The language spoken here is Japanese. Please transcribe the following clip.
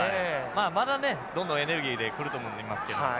まあまだねどんどんエネルギーで来ると思いますけど。